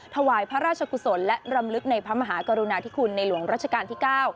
ถวายพระราชกุศลและรำลึกในพระมหากรุณาธิคุณในหลวงรัชกาลที่๙